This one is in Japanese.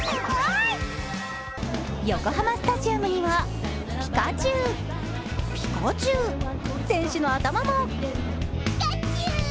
横浜スタジアムにはピカチュウ、ピカチュウ、選手の頭もピカチュウ。